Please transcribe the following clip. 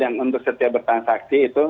yang untuk setiap bertransaksi itu